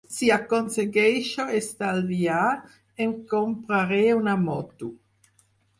Si aconsegueixo estalviar, em compraré una moto.